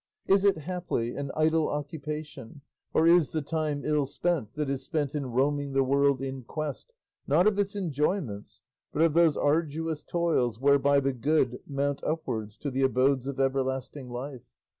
Is it, haply, an idle occupation, or is the time ill spent that is spent in roaming the world in quest, not of its enjoyments, but of those arduous toils whereby the good mount upwards to the abodes of everlasting life?